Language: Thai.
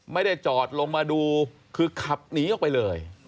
ไม่ได้จอดลงมาดูคือขับหนีออกไปเลย